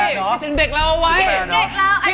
คิดถึงเด็กเราเอาไว้